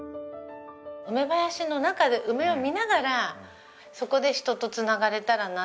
梅林の中で梅を見ながらそこで人とつながれたらな。